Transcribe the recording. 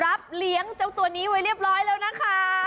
รับเลี้ยงเจ้าตัวนี้ไว้เรียบร้อยแล้วนะคะ